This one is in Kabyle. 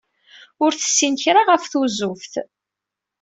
Ur tessin kra ɣef tuzuft.